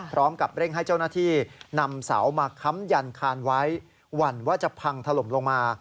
พร้อมกับเร่งให้เจ้าหน้าที่นำเสามาค้ำยันคานไว้หวั่นว่าจะพังถล่มลงมา